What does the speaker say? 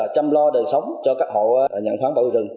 chăm lo đời sống cho các hộ nhận khoán bảo vệ rừng